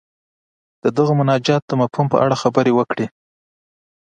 د دغه مناجات د مفهوم په اړه خبرې وکړي.